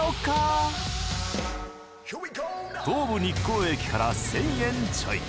東武日光駅から１，０００円ちょい。